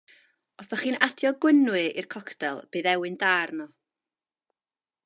Os 'da chi'n adio gwynnwy i'r coctêl bydd ewyn da arno.